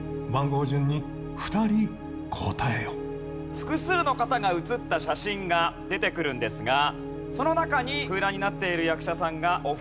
複数の方が写った写真が出てくるんですがその中に空欄になっている役者さんがお二人いらっしゃいます。